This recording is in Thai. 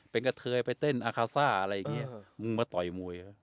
เป็นกระเทยไปเต้นอะไรเงี้ยเออมึงมาต่อยมวยฮะ